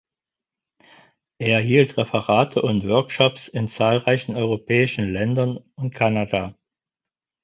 Er hielt Referate und Workshops in zahlreichen europäischen Ländern und Kanada.